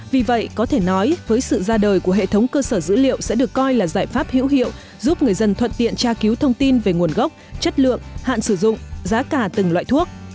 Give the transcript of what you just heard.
vì vậy có thể nói với sự ra đời của hệ thống cơ sở dữ liệu sẽ được coi là giải pháp hữu hiệu giúp người dân thuận tiện tra cứu thông tin về nguồn gốc chất lượng hạn sử dụng giá cả từng loại thuốc